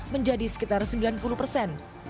menjadi sekitar sembilan puluh persen